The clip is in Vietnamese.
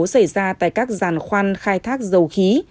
xảy ra tại các giàn khoan khai thác dầu khí